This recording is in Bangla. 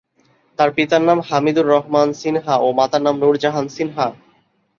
তার পিতার নাম হামিদুর রহমান সিনহা ও মাতার নাম নূরজাহান সিনহা।